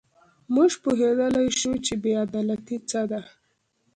موږ پوهېدلای شو چې بې عدالتي څه ده.